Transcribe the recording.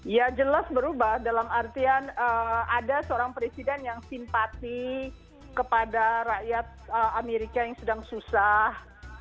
ya jelas berubah dalam artian ada seorang presiden yang simpati kepada rakyat amerika yang sedang susah